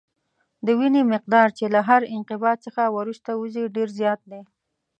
د وینې مقدار چې له هر انقباض څخه وروسته وځي ډېر زیات دی.